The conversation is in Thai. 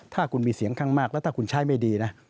ถ้าคุณมีเสียงข้างมากแล้วถ้าคุณใช้ไม่ดีนะ